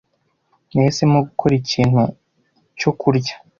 Nahisemo gukora ikintu cyo kurya.